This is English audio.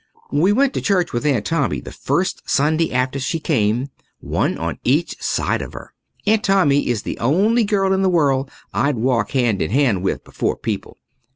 We went to church with Aunt Tommy the first Sunday after she came, one on each side of her. Aunt Tommy is the only girl in the world I'd walk hand in hand with before people.